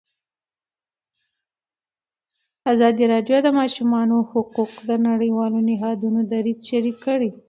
ازادي راډیو د د ماشومانو حقونه د نړیوالو نهادونو دریځ شریک کړی.